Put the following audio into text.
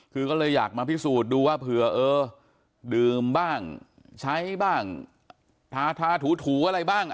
คือก็เลยอยากมาพิสูจน์ดูว่าเผื่อเออดื่มบ้างใช้บ้างทาถูอะไรบ้าง